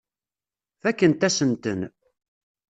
Fakkent-asen-ten.